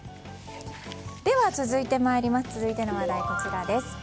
では、続いての話題はこちらです。